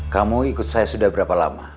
kamu ikut saya sudah berapa lama